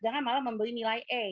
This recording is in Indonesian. jangan malah membeli nilai e